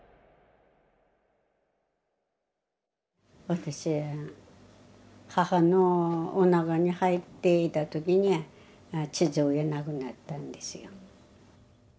私母のおなかに入っていた時に父親亡くなったんですよ。